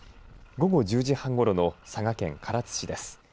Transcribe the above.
午後１０時半ごろの佐賀県唐津市です。